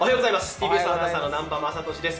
ＴＢＳアナウンサーの南波雅俊です。